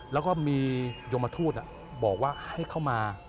แล้วก็มียมทูตบอกว่าให้เข้ามา